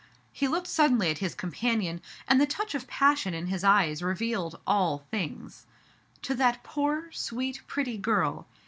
*' He looked suddenly at his companion, and the touch of passion in his eyes revealed all things. "To that poor, sweet, pretty girl.